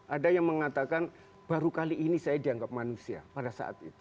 ada yang mengatakan baru kali ini saya dianggap manusia pada saat itu